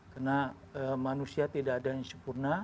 karena manusia tidak ada yang sempurna